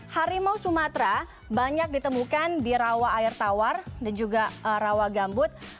harimau sumatera banyak ditemukan di rawa air tawar dan juga rawa gambut